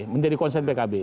menjadi concern pkb